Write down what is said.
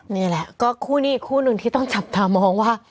นี่แหละก็คู่นี้อีกคู่หนึ่งที่ต้องจับตามองว่า